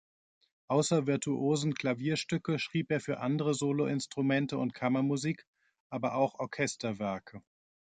Außer virtuosen Klavierstücke schrieb er für andere Soloinstrumente und Kammermusik, aber auch Orchesterwerke.